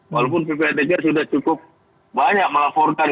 walaupun ppatk sudah cukup banyak melaporkan